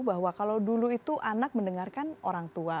bahwa kalau dulu itu anak mendengarkan orang tua